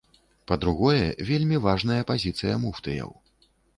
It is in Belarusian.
Па-другое, вельмі важная пазіцыя муфтыяў.